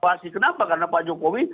pasti kenapa karena pak jokowi